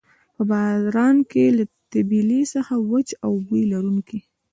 په باران کې له طبیلې څخه وچ او بوی لرونکی.